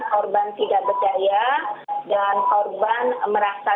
korban tidak berdaya dan korban merasa